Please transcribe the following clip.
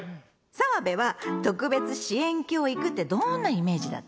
澤部は特別支援教育ってどんなイメージだった？